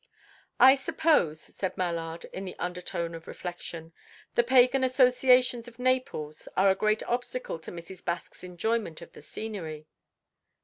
"I suppose," said Mallard, in the undertone of reflection, "the pagan associations of Naples are a great obstacle to Mrs. Baske's enjoyment of the scenery."